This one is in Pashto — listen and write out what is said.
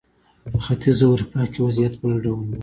په ختیځه اروپا کې وضعیت بل ډول و.